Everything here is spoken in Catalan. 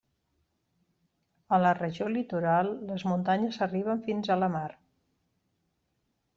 A la regió litoral les muntanyes arriben fins a la mar.